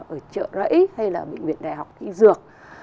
ở chợ rẫy hay là bệnh viện đại học y dược